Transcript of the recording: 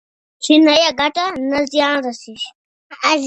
چي نه یې ګټه نه زیان رسیږي